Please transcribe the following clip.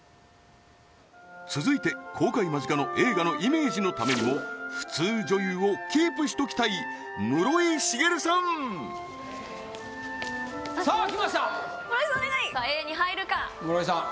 続いて公開間近の映画のイメージのためにも普通女優をキープしときたい室井滋さんさあ来ましたさあ